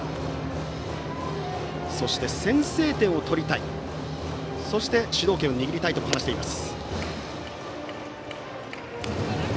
先制点を取りたいそして、主導権を握りたいと話しています。